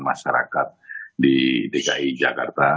masyarakat di dki jakarta